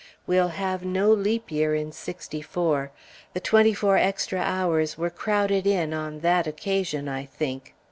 We'll have no Leap Year in '64; the twenty four extra hours were crowded in on that occasion, I think.